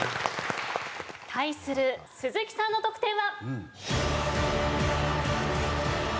対する鈴木さんの得点は。